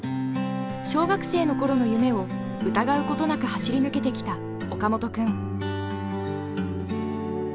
小学生の頃の夢を疑うことなく走り抜けてきた岡本君。